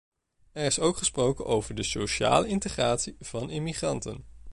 Er is ook gesproken over de sociale integratie van immigranten.